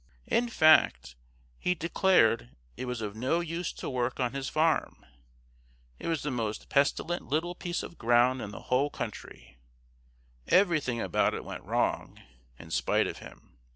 In fact, he declared it was of no use to work on his farm; it was the most pestilent little piece of ground in the whole country; everything about it went wrong, in spite of him.